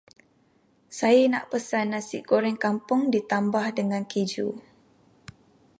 Saya nak pesan Nasi goreng kampung ditambah dengan keju.